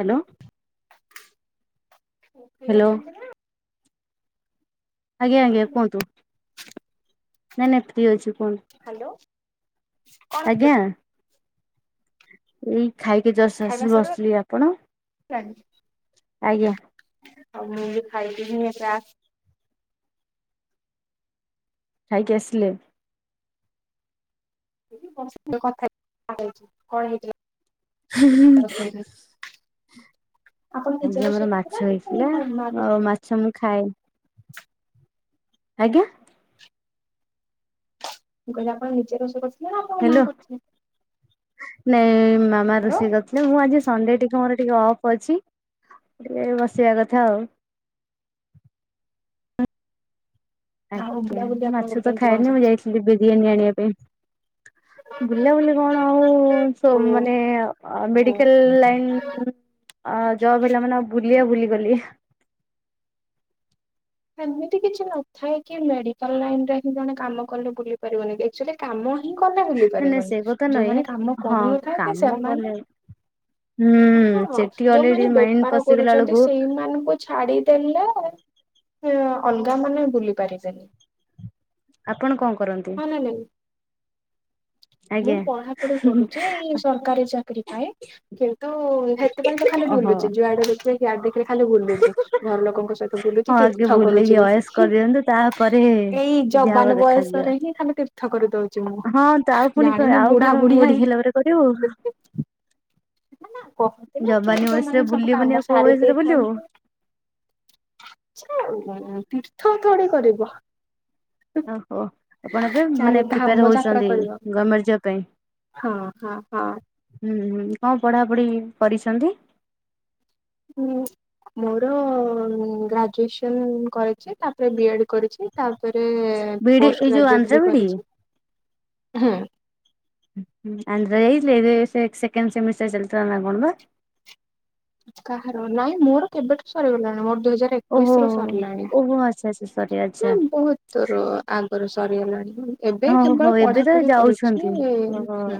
Hello free hello ଅଛନ୍ତି ନା? ଆଜ୍ଞା ଆଜ୍ଞା କୁହନ୍ତୁ ନାଇଁ ନାଇଁ ଫ୍ରି ଅଛି କୁହ ହାଲୋ। ଆଜ୍ଞା ଏଇ ଖାଇକି ଜଷ୍ଟ ଖାଇବା ଆସିଲି ବସିଲି ଆପଣ ସରିଗଲାଣି? ଆଜ୍ଞା। ଆଉ ମୁଁବି ଖାଇଦେଲିଣି [unintelligible] ଖାଇକି ଆସିଲେ। [unintelligible] କଣ ହେଇଥିଲା। [unintelligible] ରୋଷେଇରେ? ଆପଣ ନିଜେ ଆଜି ରୋଷେଇ ଆମର ମାଛ କରିଥିଲେ ନା ହେଇଥିଲା ଘରେ ମା ଆଉ କରିଥିଲେ? ମାଛ ମୁଁ ଖାଏନି। ଆଜ୍ଞା। ମୁଁ କହିଲି ଆପଣ ନିଜେ ରୋଷେଇ କରୁଚନ୍ତି। ହାଲୋ ନାଇଁ ମାମା ହ୍ୟାଲୋ ରୋଷେଇ କରିଟଥିଲେ ମୁଁ ଆଜି ସଣ୍ଡେ ଟିକେ ମୋର ଟିକେ ଅଫ ଅଛି ଟିକିଏ ବସିବା କଥା ଆଉ। ଆଉ ଆଜ୍ଞା ବୁଲାବୁଲି ମୁଁ ଆପଣଙ୍କର ମାଛତ କେମିତି କଣ ଖାଏନି ମୁଁ ଚାଲିଛି? ଯାଇଥିଲି ବିରିୟାନୀ ଆଣିବା ପାଇଁ। ବୁଲାବୁଲି କଣ ଆଉ ସ ମାନେ ଓହୋ ଅ ମେଡିକାଲ ଲାଇନ ଅ ଜବ ହେଲା ମାନେ ଆଉ ବୁଲିବା ବୁଲିଗଲି। ସେମିତି କିଛି ନଥାଏକି ମେଡିକାଲ ଲାଇନରେହିଁ ଜଣେ କାମ କଲେ ବୁଲି ପାରିବନି ଏକଚୁଲି କାମ ମୁଁ କଣ ପାଇଁ ବୁଲି ନାଇଁ ନାଇଁ ସେ ପାରିବନି କଥା ନୁହେଁ ଯୋଉମାନେ କାମ ହଁ କରୁନଥାନ୍ତେ କାମ ସେମାନେ କଲେ ହୁଁ ହଁ ସେଠି ଅଲରେଡି ଯୋଉମାନେ ମାଇଣ୍ଡ ବେପାର ପଶିଗଲା କରୁଚନ୍ତି ବେଳକୁ ସେଇମାନଙ୍କୁ ଛାଡିଦେଲେ। ସିଏ ଅଲଗା ମାନେ ବୁଲି ପାରିବେ। ଆପଣ କଣ କରନ୍ତି? ନାଇଁ ମୁଁ ଆଜ୍ଞା ପଢାପଢି କରୁଚେ ଏଇ ସରକାରୀ ଚାକିରୀ ପାଇଁ। କିନ୍ତୁ ଏଥିପାଇଁତ ଖାଲି ଓହୋ। ଭୁଲୁଚେ ଯୁଆଡେ ଦେଖିବେ ହିଆଡେ ଦେଖିବେ। ଖାଲି ବୁଲୁଚି ଘର ଲୋକଙ୍କ ସହିତ ବୁଲୁଚି ହଁ ଆଗେ ତୀର୍ଥ ବୁଲେଇକି କରୁଚି ଅଏସ ବସିକି। କରିଦିଅନ୍ତୁ ତାପରେ ଏଇ ଯାହା ହବ ଯବାନ ଦେଖାଯିବ ବୟସରେ ହିଁ ଖାଲି ତୀର୍ଥ କରିଦୋଉଚି ମୁଁ। ହଁ ତ ଆଉ ଫୁଣି ଜାଣିନି ଆଉ ବୁଢା କଣ ବୁଢୀ ହେ ବୁଢି ହେଲା ପରେ କରିବୁ। ନା ନା କହନ୍ତି ନା କି ଯବାନୀ ବୟସ ରେ ଯୋଉମାନେ ସବୁ ବୁଲିବୁନି ଆଉ କାମ କୋଉ ସାରି ବୟସରେ ବୁଲିବୁ ଦେଇଥାନ୍ତେ। ଆଜି କାଇଁ ଉଁ [unintelligible] ତୀର୍ଥ ଥୋଡି କରିବ। ଓହୋ ଆପଣ ଏବେ ଚାରି ମାନେ ଧାମ ପ୍ରିପେୟାର ଯାତ୍ରା ହୋଉଚନ୍ତି କରିବ ଗମେଣ୍ଟ ଜବ ପାଇଁ। ହଁ ହଁ ହଁ। ହୁଁ ହୁଁ କଣ ପଢାପଢି କରିଚନ୍ତି? ହୁଁ ମୋର ଗ୍ରାଜୁଏସନ କରିଚି ତାପରେ ବିଏଡ୍ କରିଚି। ତାପରେ ବିଡି ପୋଷ୍ଟ ଏଇ ଯୋଉ ଗ୍ରାଜୁଏଟ ଆନ୍ଧ୍ର ବି ବିଡି କରିଚି ହୁଁ। ହୁଁ [unintelligible] ସେକେଣ୍ଡ ସେମିଷ୍ଟାର ଚାଲି ନା କଣ ପା। କାହାର ନାଇଁ ମୋର କେବେଠୁ ସରିଗଲାଣି ମୋର ଦୁଇ ହଜାର ଓହୋ ଏକୋଇଶରୁ ସରିଲାଣି। ଓହୋ ଆଚ୍ଛା ଆଚ୍ଛା ସରି ନା ଆଚ୍ଛା ବୋହୁତ ତୋର ଆଗରୁ ସରିଗଲାଣି। ଏବେ ହଁ ହୋ କେବଳ ଏବେ ତ ପଢାପଢି କରୁଛି ଯାଉଛନ୍ତି। ଓହୋ ହୁଁ।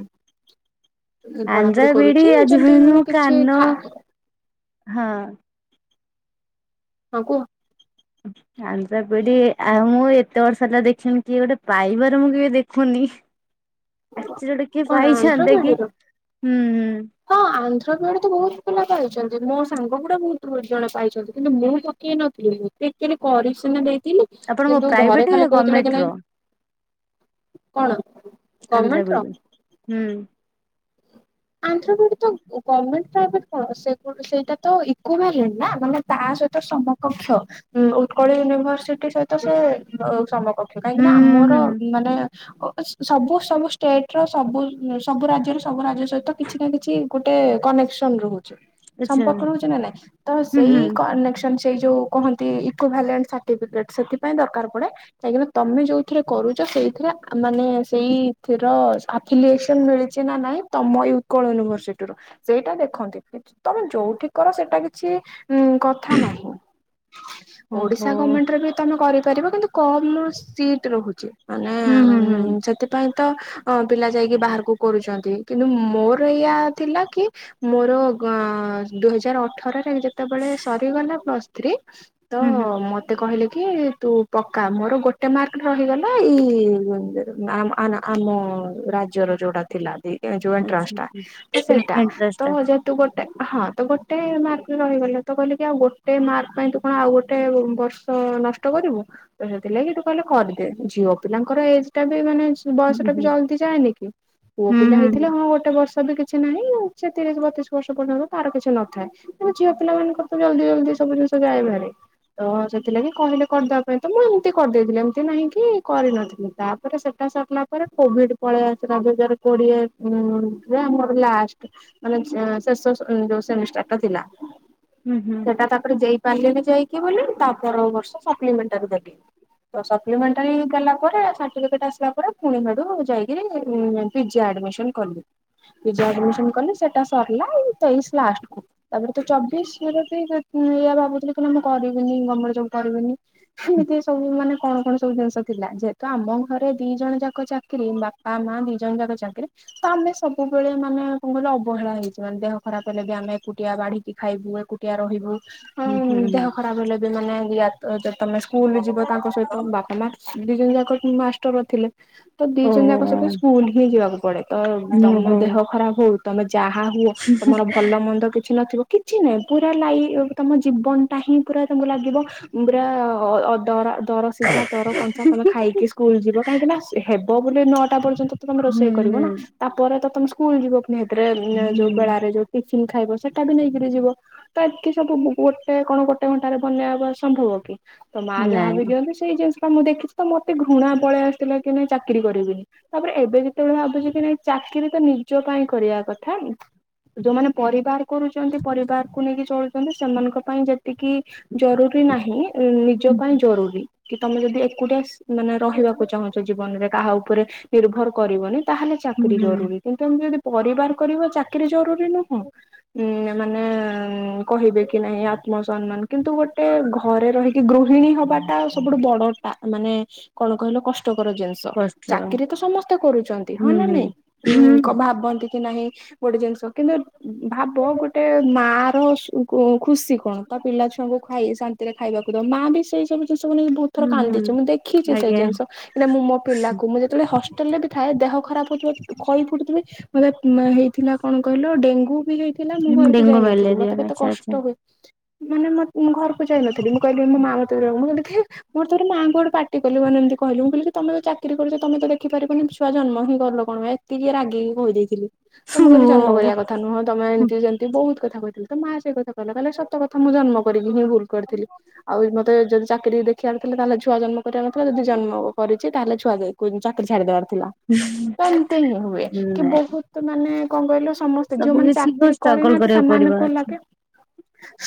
ଆନ୍ଧ୍ରା ପଢାପଢି ବିଡି କରୁଚି ଆଜି ଯେମତି ପର୍ଯ୍ୟନ୍ତ ମୁଁ ମୋ କିଛି କାନ [unintelligible] ହଁ। ହଁ କୁହ। ଆନ୍ଧ୍ର ବିଡି ଆଉ ମୁଁ ଏ ତେ ବର୍ଷ ହେଲା ଦେଖିଲିଣି କିଏ ଗୋଟେ ପାଇବାର ମୁଁ କେବେ ଦେଖୁନି। ଆ ଭିତରୁ [unintelligible] କିଏ ଗୋଟେ କଣ ଆନ୍ଧ୍ର ପାଇଯାହାଆନ୍ତି କି ବିଡିର ହୁଁ ହୁଁ। ହଁ ଆନ୍ଧ୍ର ବିଇଡି ତ ବୋହୁତ ପିଲା ପାଇଚନ୍ତି। ମୋ ସାଙ୍ଗ ଗୁଡା ବୋହୁତୁ ଜଣ ପାଇଚନ୍ତି କିନ୍ତୁ ମୁଁ ତ କିଏ ନଥିଲେ [unintelligible] କରିସନା ଦେଇଥିଲି ଆପଣଙ୍କ କିନ୍ତୁ ପ୍ରାଇଭେଟ ଘରେ ନା ଖାଲି କୋହୁଥିଲେ ଗଭର୍ଣମେଣ୍ଟ କି ନାହିଁ। ର? କଣ? ଆନ୍ଧ୍ର ଗମେଣ୍ଟ ର ବିଇଡି ହୁଁ। ଆନ୍ଧ୍ର ବିଇଡି ତ ଗମେଣ୍ଟ ପ୍ରାଇଭେଟ କଣ ସେଗୁଡା ସେଇଟା ତ ଇକୋଭ୍ୟାଲେଣ୍ଟ ନା ମାନେ ତା ସହିତ ସମ କକ୍ଷ ଉଁ ଉତ୍କଳ ୟୁନିଭରସିଟି ସହିତ ସେ ଓଉ ସମକକ୍ଷ କାହିଁକି ନା ହୁଁ ମୋର ହୁଁ ମାନେ ଓ ସବୁ ସବୁ ଷ୍ଟେଟର ସବୁ ସବୁ ରାଜ୍ୟର ସବୁ ରାଜ୍ୟ ସହି ତ କିଛି ନା କିଛି ଗୋଟେ କନେକ୍ସନ ରହୁଚି। ଆଚ୍ଛା ସମ୍ପର୍କ ରହୁଚି ନା ନାଇଁ ତ ହୁଁ ସେଇ ହୁଁ କନେକସନ୍ ସେଇ ଯେଉଁ କହନ୍ତି ଇକୋ ଭାଲାଣ୍ଟ ସାର୍ଟିଫିକେଟ୍ ସେଥିପାଇଁ ଦରକାର୍ ପଡେ। କାହିଁକି ନା ତମେ ଯୋଉଥିରେ କରୁଚ ସେଇଥିରେ ଆ ମାନେ ସେଇଥିର [unintelligible] ଫିଲୀମିଳିଚ ନା ନାଇଁ ତମ ୟୁ ଉତ୍କଳ ୟୁନିଭରସିଟିରୁ ସେଇଟା ଦେଖନ୍ତି କି ତମେ ଯୋଉଠି କର ସେଟା କିଛି ଉଁ ଅ [unintelligible] ନାହିଁ ଓହୋ ତଓଡିଶା ଗମେଣ୍ଟର ବି ତମେ କରିପାରିବ କିନ୍ତୁ କମ୍ ସିଟ୍ ରହୁଚି ମାନେ ହୁଁ ହୁଁ ହୁଁ। ଉଁ ସେଥିପାଇଁ ତ ଅଁ ପିଲା ଯାଇକି ବାହାରକୁ କରୁଚନ୍ତି କିନ୍ତୁ ମୋର ସେଇୟା ସଇଆ ଥିଲା କି? ମୋର ଗାଁ ଦୁଇ ହଜାର ଅଠରରେ ଯେତେବେଳେ ସରିଗଲା ପ୍ଲସଥ୍ରୀ। ତ ହୁଁ ହୁଁ ମ ମତେ କହିଲେ କି ତୁ ପକା ମୋର ଗୋଟେ ମାର୍କ ରହିଗଲା ଇ ଆମ। [unintelligible] ଆ ନା ଆମ ରାଜ୍ୟର ଯୋଉଟା ଥିଲା ଦିଇ ଏ ଯୋଉ ଏଣ୍ଟ୍ରାନ୍ସଷ୍ଟା। ତ ସେଇଟା ତ ଯେ ତୁ ଗୋଟେ ହଁ ତୁ ଗୋଟେ ମାର୍କ ରହିଗଲେ। ତୁ କହିଲୁ କି ଆଉ ଗୋଟେ ମାର୍କ ପାଇଁ ତୁ କଣ ଆଉ ଗୋଟେ ବ ତ ନଷ୍ଟ କରିବୁ ତ ସେଥିଲାଗି ତୁ କହିଲେ କରିଦେ, ଝିଅ ପିଲାଙ୍କର ଏଜ୍ ଟା ବି ମାନେ ବୟସଟା ବି ଜଲ୍ଦି ଯାଏନି କି ପୁଅ ପିଲା ହେଇଥିଲେ ହଁ ଗୋଟେ ବଷ୍ ତା ଦେହେ କିଛି ନାହିଁ ସେ ତିରିଶ୍ ବତିଶ୍ ବର୍ଷ ପର୍ଯ୍ୟନ୍ତ ତାର କିଛି ନଥାଏ। ଝିଅ ପିଲାମାନଙ୍କର୍ ତ ଜଲ୍ଦି-ଜଲ୍ଦି ସବୁ ଜିନିଷ ଯାଏହେରି। ଅ ସେଥିଲାଗି କହିଲେ କରିଦବା ପାଇଁ ତ ମୁଁ ଏମ୍ ତି କରିଦେଇଥିଲି ଏମିତି ନାହିଁ କି କରିନଥିଲି। ତା ମୁଁ କଇ ସେଟା ସରିଲା ପରେ କୋଭିଡ୍ ପଳେଇ ଆସିଲା ଦୁଇ ହଜାରେ କୋଡିଏ ଉଁ। ଜେ ଆମର ଲାଷ୍ଟ୍ ମାନେ ଶେଷ ଯୋଉ ସେମିଷ୍ଟାର୍ ଟା ଥିଲା। ସେଟା ତାପରେ ଦେଇ ପାରିଲିନି ଯାଇକି ବୋଲି, ତା ପର ବର୍ଷ ସପ୍ଲିମେଣ୍ଟ୍ ରେ ଦେଲି। ତ ସପ୍ଲିମେଣ୍ଟ୍ ଟା ହିଁ ଦେଲା ପରେ ସାର୍ଟିଫିକେଟ୍ ଆସିଲା ପରେ ଫୁଣି ସେଟୁ ଯାଇକି ପିଜେ ଆଡ୍ମିସନ୍ କଲି ପିଜେ ଆଡ୍ମିସନ୍ କଲି ସେଟା ସରିଲା ତେଇଶ୍ ଲାଷ୍ଟ କୁ। ତାପରେ ତ ଚବିଶ୍ ରେ ବି ଏଆ ଭାବୁଥିଲି କି ମୁଁ କରିବିନି ଗମେଣ୍ଟ ଜବ୍ କରିବିନି। ଏମିତି ସବୁ ମାନେ କଣ କଣ ସବୁ ଜିନିଷ ଥିଲା, ଯେହେତୁ ଆମ ଘରେ ଦି ଜଣ ଯାକ ଚାକିରି। ବାପ୍ ବାପା ମା ଦି ଜଣ ଯାକ ଚାକିରୀ ତ ଆମେ ସବୁ ସବୁବେଳେ ମାନେ କଣ କ‍ଇଲୁ ଅବହେଳା ହେଇଚୁ ମାନେ ଦେହ ଖରାପ ହେଲେ ବି ଆମେ ଏକୁଟିଆ ବାଢିକି ଖାଇବୁ ଏକୁଟିଆ ରହିବୁ ହଁ, ଦେହ ଖରାପ ହେଲେ ବି ମାନେ ୟାକ୍ ତମେ ସ୍କୁଲ୍ ଯିବ ତାଙ୍କ ସହିତ ବାପା ମା ଦି ଜଣ ଯାକ ମାଷ୍ଟର ଥିଲେ, ତ ଦି ଜଣ ଯାକ ସହିତ ସ୍କୁଲ୍ ବି ଯିବାକୁ ପଡେ। ତ ତମ ଦେହ ଖରାପ ହଉ ତମେ ଯାହା ହୁଅ ତମର ଭଲ ମନ୍ଦ କିଛି ନଥିବ। କିଛି ନାଇଁ ପୁରା ଲାଇ ତମ ଜୀବନଟା ହିଁ ପୁରା ତାଙ୍କୁ ଲାଗିବ ମୁଁ ବୁରା ଅଦରା। ଦର ସିଝା ଦର କଞ୍ଚା ତମେ ଖାଇକି ସ୍କୁଲ୍ ଯିବ, କାହିଁକି ନା ହେବ ବୋଲି ନଅଟା ପର୍ଯ୍ୟନ୍ତ। ତମେ ରୋଷେଇ କରିବ ନା ତାପରେ ତ ତମେ ସ୍କୁଲ୍ ଯିବ ଫୁଣି ସେଥେରେ ଯୋଉ ବେଳାରେ ଯୋଉ ଟିଫୀନ୍ ଖାଇବ ସେଟା ବି ନେଇକିରି ଯିବ। ତ ଏତେ ସବୁ ଗୋଟେ କଣ ଗୋଟେ ଘଣ୍ଟାରେ ବନେଇ ହବା ସମ୍ଭବ କି ତ ମା ଯାହାବି ନାଇଁ ଦିଅନ୍ତି। ସେଇ ଜିନିଷ ଟା ମୁଁ ଦେଖିଚି ତ ମତେ ଘୃଣା ପଳେଇ ଆସିଲା କି ନାଇଁ ଚାକିରି କରିବିନି। ତାପରେ ଏବେ ଯେତେବେଳେ ଭାବୁଚି କି ନାଇଁ ଚାକିରି ତ ନିଜ ପାଇଁ କରିଆ କଥା, ଯୋଉମାନେ ପରିବାର୍ କରୁଚନ୍ତି। ପରିବାରକୁ ନେଇକି ଚଳୁଚନ୍ତି ସେମାନଙ୍କ ପାଇଁ ଯେତିକି ଜରୁରୀ ନାହିଁ। ନିଜ ପାଇଁ ଜରୁରୀ କି ତମେ ଯଦି ଏକୁଟିଆ ସ୍ ମାନେ ରହିବାକୁ ଚାହୁଁଚ ଜୀବନରେ କାହା ଉପରେ ନିର୍ଭର କରିବନି ତାହେଲେ ଚାକିରି ହୁଁ ଜରୁରୀ। କିନ୍ତୁ ଆମେ ଯଦି ପରିବାର କରିବା ଚାକିରିୀ ଜରୁରୀ ନୁହଁ। ଉଁ ନା ମାନେ କହିବେ କି ନାହିଁ ଆତ୍ମସମାନ୍ କିନ୍ତୁ ଗୋଟେ ଘରେ ରହିକି ଗୃହିଣୀ ହବାଟା ସବୁଟୁ ବଡ ଟା ମାନେ କଣ କହିଲ କଷ୍ଟ। କଷ୍ଟକର ଜିନିଷ କଷ୍ଟ ଚାକିରୀ ତ ସମସ୍ତେ କରୁଚନ୍ତି ହଁ ହୁଁ ନା ହୁଁ ନାଇଁ? ଉଁ କଁ ହୁଁ ଭାବନ୍ତି କି ନାହିଁ ଗୋଟେ ଜିନିଷ। କିନ୍ତୁ ଭାବ ଗୋଟେ ମା ର ସୁ ଖୁସି କଣ ତା ପିଲା ଛୁଆଙ୍କୁ ଖାଇ ଶାନ୍ତି ଶାନ୍ତି ରେ ଖାଇବାକୁ ଦବ, ମା ବି ସେଇ ସବୁ ଜିନିଷକୁ ନେଇକି ବହୁ ଥର ହୁଁ କାନ୍ଦିଚି ମୁଁ ଦେଖିଛି ସେଇ ଆଜ୍ଞା ଜିନିଷ। ନା ମୁଁ ମୋ ପିଲାକୁ ମୁଁ ଯେତେବେଳେ ହଷ୍ଟେଲ୍ ରେ ବି ଥାଏ ଦେହ ଖରାପ ହୁଏ। ଖଇ ଫୁଟୁଥିବି ମତେ ହେଇଥିଲା କଣ କହିଲ? ଡେଙ୍ଗୁ ବି ହେଇ ହେଇଥିଲା। ମୁଁ ଘରକୁ ଡେଙ୍ଗୁ ଯାଇ ନଥିଲି ମ୍ୟାଲେରିଆ ମତେ କେତେ ଆଚ୍ଛା ଆଚ୍ଛା କଷ୍ଟ ହଉ ମାନେ ମତ୍ ମୁଁ ଘରକୁ ଯାଇନଥିଲି ମୁଁ କହିଲି ମୋ ମା ମତେ ଦବ ମୁଁ କଲି ଖାଏ। ମୋ ଥରେ ମାଙ୍କୁ ଗୋଟେ ପାଟି କଲି ମାନେ ଏମତି କହିଲି ମୁଁ କହିଲି କି ତମେ ତ ଚାକିରୀ କରିଚ ତମେ ତ ଦେଖିରିବନି ଛୁଆ ଜନ୍ମ ହିଁ କଲ କଣ ପାଇଁ। ଟିକିଏ ରାଗିକି କହିଦେଇଥିଲି ତ ମୁ କହିଲି ଜନ୍ମ କରିଆ ଓ କଥା ନୁହଁ, ତମେ ଏମିତି ଯେମିତି ବହୁତ୍ କଥା କହିଥିଲି। ତ ମା ସେଇ କଥା କହିଲା କଇଲା ସତ କଥା ମୁଁ ଜନ୍ମ ଜନ୍ମ କରିକି ହିଁ ଭୁଲ୍ କରିଥିଲି। ଆଉ ମତେ ଯଦି ଚାକିରୀ ଦେଖିଆ ରେ ଥିଲା ତାହେଲେ ଛୁଆ ଜନ୍ମ କରିବାର ଥିଲା ଯଦି ଜନ୍ମ କରିଚି ତାହେଲେ ଛୁଆ ଯୋଗୁ ଚାକିରି ଛାଡ଼ିଦବାର ଥିଲା। ହୁଁ ତେ। ଏମିତ୍ ହିଁ ହୁଏ। କି ବହୁତୁ ମାନେ କଣ କହିଲ ସମସ୍ତେ ସବୁ ଯୋଉମାନେ କିଛି କୁ ଚାକିରୀ ଷ୍ଟ୍ରଗଲ କରିନାହାନ୍ତି କରିବାକୁ ପଡିବ ସେମାନଙ୍କୁ ଆଚ୍ଛା, ଲାଗେ ହଁ।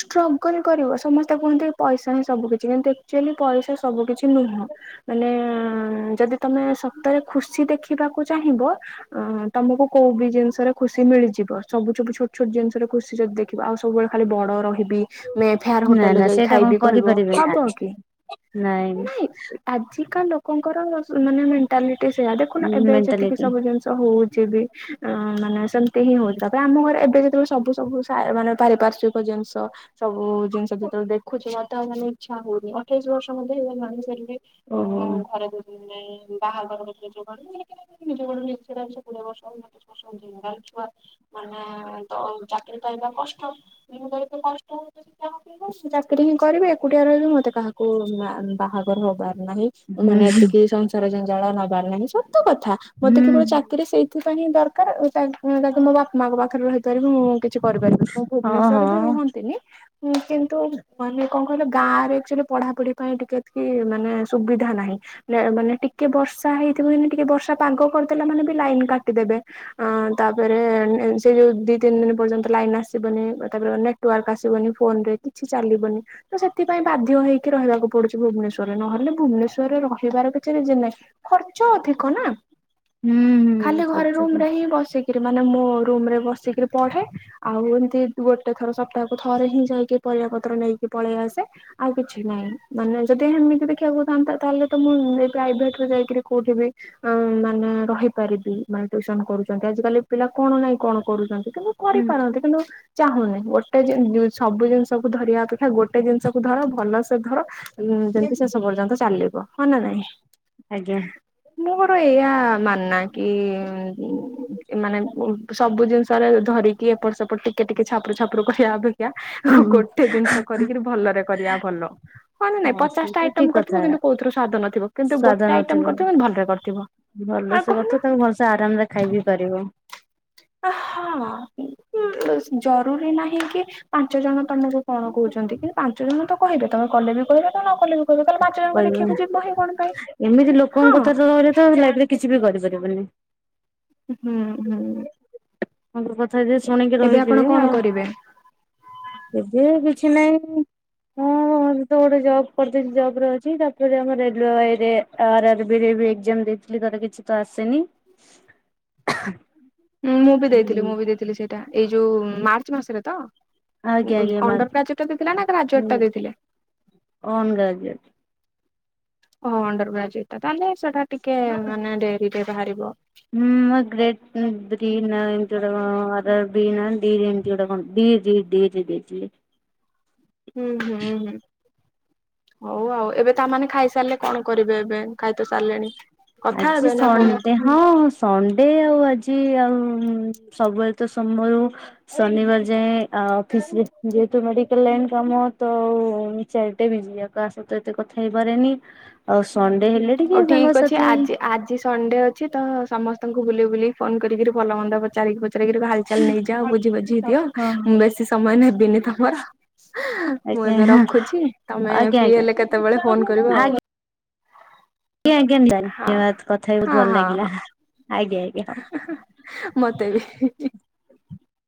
ଷ୍ଟ୍ରଗଲ କରିବ ସମସ୍ତେ କୁହନ୍ତି ପଇସା ହିଁ ସବୁ କିଛି ହେମ୍ ତି ଆକ୍ଚୁଆଲି ପଇସା ସବୁ କିଛି ନୁହଁ। ମାନେ ଯଦି ତମେ ସତ ରେ ଖୁସି ଦେଖିବାକୁ ଚାହିଁବ ଅ ତମକୁ କୋଉ ବି ଜିନିଷରେ ଖୁସି ମିଳିଯିବ ସବୁ ସବୁ ଛୋଟ ଛୋଟ ଜିନିଷରେ ଖୁସି ଯଦି ଦେଖ୍ ଖିବା ଆଉ ସବୁବେଳେ ଖାଲି ବଡ ରହିବି। ମେଫୈର ନା ହୋଟେଲରେ ନା ଯାଇ ସେଇଟା କଣ ଖାଇବି କହିବ କରିପାରିବେ ହବ ନା କି ନାଇଁ। ଆଜି କା ଲୋକଙ୍କର ମାନେ ମେଣ୍ଟାଲିଟି ସେୟା ଦେଖୁନ ଏବେ ଯେତିକି ମେଣ୍ଟାଲିଟି ସବୁ ଜିନିଷ ହଉଛି ବି ମାନେ ସେମିତି ହିଁ ହଉଛି ତାପରେ ଆମ ଘରେ ଏବେ ଯେତେବେଳେ ସବୁ ସବୁ ସାର୍ ମାନେ ପାରିପାର୍ଶକ ଜିନିଷ ସବୁ ଜିନିଷ ଯେତେବେଳେ ଦେଖୁଛୁ ବା ତାଆ ମାନେ ଇଚ୍ଛା ହଉନି ଅଠେଇଶ ବର୍ଷ ମଧ୍ୟରେ ମାଣ ଛାଡ଼ିଲି। ଓହୋ ଉଁ ଘରେ ବୁଝିଲେ ନାଇଁ ବାହାଘର ଭିତରେ ଯୋଣ [unintelligible] ନିଜ ଗୋଡ ଇଚଛାଛି କୋଡ଼ିଏ ବର୍ଷଛୁଆ [unintelligible] ଆ ତ ଚାକିରି ପାଇବା କଷ୍ଟ ମୁ କରେ ତ କଷ୍ଟ ହଉଚି। ଚାକିରି ହିଁ କରିବି ଏକୁଟିଆ ରହିବି ମତେ କାହାକୁ ବା ବାହାଘର ହବାର ନାହିଁ। ହୁଁ ମାନେ ଏତିକି ସଂସାର ଜଞ୍ଜାଳ ନେବାର ନାହିଁ ସତ କଥା ମତେ କେବଳ ଚା ହୁଁ କିରି ସେଇଥିପାଇଁ ହିଁ ଦରକାର ତା ତାକୁ ମୋ ବାପା ମାଙ୍କ ପାଖରେ ରହିପାରିବି ମୁଁ କିଛି କରିପାରିବି। ମୁଁ ହଁ ଭୁବନେଶ୍ୱର ବି ହଁ ରୁହନ୍ତିନି ହୁଁ କିନ୍ତୁ ମାନେ କଣ କହିଲ ଗାଁ ରେ ଏକ୍ଚୁଲୀ ପଢାପଢି ପାଇଁ ଟିକେ ଏତିକି ମାନେ ସୁବିଧା ନାହିଁ। ମାନେ ଟିକେ ବର୍ଷା ହେଇଥିବ ନେ ଟିକେ ବର୍ଷା ପାଗ କରିଦେଲା ମାନେ ବି ଲାଇନ କାଟିଦେବେ। ଅଁ ତାପରେ ସେ ଯୋଉ ଦି ତିନି ଦିନ ପର୍ଯ୍ୟନ୍ତ ଲାଇନ ଆସିବନି ତାପରେ ନେଟ୍ ନେଟୱର୍କ ଆସିବନି ଫୋନ ରେ କିଛି ଚାଲିବନି। ତ ସେଥିପାଇଁ ବାଧ୍ୟ ହେଇକି ରହିବାକୁ ପଡୁଛି ଭୁବନେଶ୍ଵରରେ ନହେଲେ ଭୁବନେଶ୍ଵରରେ ରହିବାର କିଛି ରିଜିନ ନାହିଁ। ଖର୍ଚ୍ଚ ଅଧିକ ନା। ହୁଁ ହୁଁ ଖାଲି ଘରେ ରୁମ୍ କରୁଛନ୍ତି ରେ ହିଁ ବସିକିରି ମାନେ ମୋ ରୁମ୍ ରେ ବସିକିରି ପଢେ। ଆଉ ଏମିତି ଗୋଟେ ଥର ସପ୍ତାହକୁ ଥରେ ହିଁ ଯାଇକି ପରିବା ପତ୍ର ନେଇକି ପଳେଇ ଆସେ। ଆଉ କିଛି ନାହିଁ ମାନେ ଯଦି ହେମିତି ଦେଖିବାକୁଥାନ୍ତା ତାହେଲେ ତ ମୁଁ ଏ ପ୍ରାଇଭେଟ୍ ଯାଇକିରି କୋଉଠିବି ମାନେ ରହିପାରିବି ମାନେ ଟୁସନ କରୁଚନ୍ତି ଆଜିକାଲି ପିଲା କଣ ନାହିଁ କଣ କରୁଚନ୍ତି କିନ୍ତୁ ହୁଁ କରିପାରନ୍ତି କିନ୍ତୁ ଚାହୁଁନି ଗୋଟେ ସବୁ ଜିନିଷକୁ ଧରିବା ଅପେକ୍ଷା ଗୋଟେ ଜିନିଷକୁ ଧର ଭଲସେ ଧର। ଯେମତି ଶେଷ ପର୍ଯ୍ୟନ୍ତ ଚାଲିବ ହ ନା ନାଇଁ। ଆଜ୍ଞା। ମୋର ଏଇଆ ମାନ୍‌ ନା। କି ମାନେ ସବୁ ଜିନିଷରେ ଧରି କି ଏପଟ ସେପଟ ଟିକେ ଟିକେ ଛାପୁରୁ ଛାପୁରୁ କରିବା ଅପେ କ୍ଷା ହୁଁ ହୁଁ ଗୋଟେ ଜିନିଷ କରିକିରି ଭଲରେ କରିବା ଭଲ ହ ନା ନାଇଁ ହଁ ସେ ପଚାଶଟା ତ ଆଇଟମ ଠିକ କରିଥିବ କଥା କିନ୍ତୁ କଉଥୁରୁ ସ୍ଵାଦ ନଥିବ କିନ୍ତୁ ସ୍ଵାଦ ଗୋଟେ ନଥିବ ଆଇଟମ କରିଥିବେ ଭଲରେ କରି ଭଲସେ କଥୁ ତାକୁ ଭଲସେ ଆରାମରେ ଖାଇ ବିି ପାରିବ। ହଁ ଜରୁରୀ ନାହିଁ କି ପାଞ୍ଚ ଜଣ ତମକୁ କଣ କହୁଛନ୍ତି କିନ୍ତୁ ପାଞ୍ଚ ଜଣ ତ କହିବେ ତମେ କଲେ ବି କହିବ ତ ନ କଲେ ବି କହିବେ କାଲି ପାଞ୍ଚ ଜଣଙ୍କୁ କହିବ ଦେଖିବାକୁ ଯିବ ହିଁ କଣ ପାଇଁ ଏମିତି ହଁ ଲୋକଙ୍କ କଥା ତ ଧରିବ ତ ଲାଇଫରେ କିଛି ବି କରିପାରିବନି। ହୁଁ ହୁଁ। ମୁ କଥା ଯେ ଶୁଣିକି ଏବେ ଆପଣ ରହିଯିବେ କଣ ଆଉ କରିବେ? ଏବେ କିଛି ନାହିଁ। ହଁ ତ ଗୋଟେ ଜବ୍ କରିଦେଇ ଜବ ରେ ଅ ଛି ତାପରେ ଆମ ରେଲବାଇରେ ଆର ଆର ବି ରେ ଏକ୍ସାମ ଦେଇଥିଲି ତାର କିଛି ତ ଆସିନି। [inaudible] [unintelligible] ହୁଁ ମୁଁ ବି ଦେଇଥିଲି ହୁଁ ମୁଁ ବି ଦେଇଥିଲି ସେଇଟା ଏଇ ଯୋଉ ମାର୍ଚ୍ଚ ମାସରେ ତ? ଆଜ୍ଞା ଉଁ ଆଜ୍ଞା ମା ଅଣ୍ଡର ଗ୍ରାଜୁଏଟ ଟା ଦେଇଥିଲେ ନା ଗ୍ରାଜୁଏଟ ହୁଁ ଟା ଦେଇଥିଲେ? ଅନ୍ ଗ୍ରାଜୁଏଟ୍। ଓହୋ ଅଣ୍ଡର ଗ୍ରାଜୁଏଟଟା ତାହେଲେ ସେଟା ଟିକେ ମାନେ ଡେରି ରେ ବାହାରିବ। ହୁଁ ମୁଁ ଗ୍ରେଟ ଗ୍ରିନ ନା ଏମତି ଗୋଟେ କଣ ଅର ବିନ୍ ଏମିତି ଗୋଟେ କଣ ଡି ଡି ଡି। ଡି ଦେଇଥିଲି। ହୁଁ ହୁଁ ହୁଁ। ହଉ ଆଉ ଏବେ ତାମାନେ ଖାଇସାରିଲେ କଣ କରିବେ ଏବେ ଖାଇ ତ ସାରିଲେଣି? କଥା ଆଜି ହେବେ ନା କଣ ସନଣ୍ଡେ। ହଁ ସଣ୍ଡେ ଆଉ ଆଜି ଆଉ ସବୁବେଳେ ତ ସୋମବାର ରୁ ଶନିବାର ଯାଏଁ ଅଫିସ ଯେହେତୁ ମେଡିକାଲ ଲାଇନ୍ କାମ ତ ଚାରିଟାଇମ୍ ବିଜି ଆଉ କାହା ସହିତ ଏତେ କଥା ହେଇପାରେନି ଆଉ ସଣ୍ଡେ ହେଲେ ହଉ ଟିକେ ଠିକ ଅଛି ସାଙ୍ଗସାଥି ଆଜି ଆଜି ସଣ୍ଡେ ଅଛି ତ ସମସ୍ତଙ୍କୁ ବୁଲି ବୁଲି ଫୋନ କରିକିରି ଭଲ ମନ୍ଦ ପଚାରିକି ପଚାରିକିରି ହାଲ ଚାଲ ନେଇଯାଅ ବୁଝି ବାଝି ଦିଅ। ହଁ ମୁଁ ବେଶୀ ସମୟ ନେବିିନି ତମର। ମୁଁ ଆଜ୍ଞା ଏବେ ରଖୁଛି ତମେ ଆଜ୍ଞା ଆଜ୍ଞା ଫ୍ରି ହେଲେ କେତେବେଳେ ଫୋନ କରିବ ଆଉ। ଆଜ୍ଞା ଆଜ୍ଞା ନିହାତି ହଁ ଧନ୍ୟବାଦ କଥା ହେଇକି ହଁ ବହୁତ ଭଲ ହଁ ଲାଗିଲା ଆଜ୍ଞା ଆ ମତେ ବି